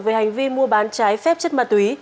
về hành vi mua bán trái phép chất ma túy